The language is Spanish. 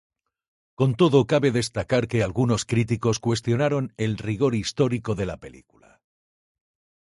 Con todo, cabe destacar que algunos críticos cuestionaron el rigor histórico de la película.